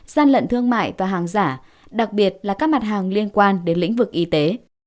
gian lận thương mại và hàng giả đặc biệt là các mặt hàng liên quan đến lĩnh vực y tế